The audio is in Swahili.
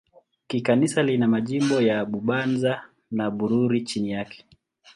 Kikanisa lina majimbo ya Bubanza na Bururi chini yake.